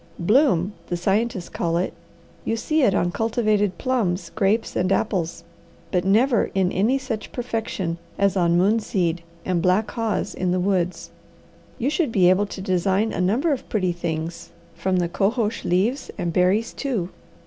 'Bloom' the scientists call it. You see it on cultivated plums, grapes, and apples, but never in any such perfection as on moonseed and black haws in the woods. You should be able to design a number of pretty things from the cohosh leaves and berries, too.